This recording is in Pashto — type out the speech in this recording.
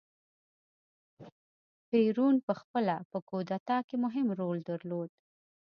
پېرون په خپله په کودتا کې مهم رول درلود.